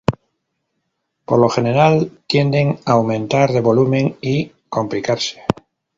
Por lo general tienden a aumentar de volumen y complicarse.